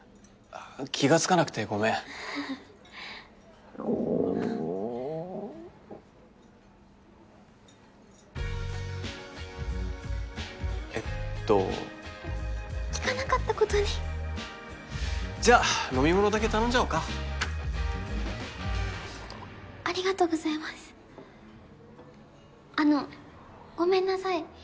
気がつかなくてごめんえっと聞かなかったことにじゃあ飲み物だけ頼んじゃおうかありがとうございますあのごめんなさい